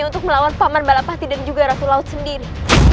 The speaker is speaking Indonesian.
untuk melawan paman balapati dan juga rasul laut sendiri